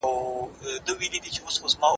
زه مخکي پاکوالي ساتلي وو.